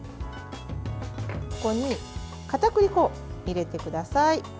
ここに、かたくり粉を入れてください。